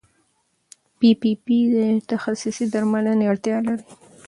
پي پي پي د تخصصي درملنې اړتیا لري.